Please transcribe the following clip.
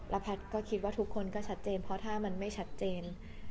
แพทย์ก็คิดว่าทุกคนก็ชัดเจนเพราะถ้ามันไม่ชัดเจน